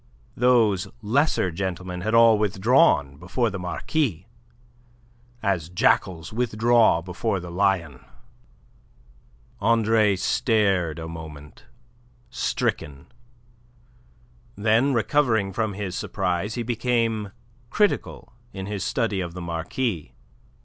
Those lesser gentlemen had all withdrawn before the Marquis, as jackals withdraw before the lion. Andre Louis stared a moment, stricken. Then recovering from his surprise he became critical in his study of the Marquis.